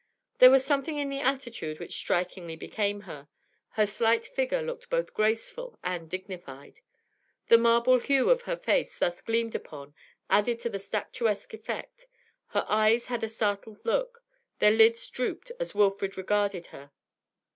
There was something in the attitude which strikingly became her; her slight figure looked both graceful and dignified. The marble hue of her face, thus gleamed upon, added to the statuesque effect; her eyes had a startled look, their lids drooped as Wilfrid regarded her.